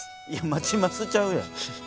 待ちますちゃうやん。